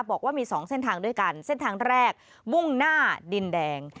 บอกว่ามี๒เส้นทางด้วยกันเส้นทางแรกมุ่งหน้าดินแดง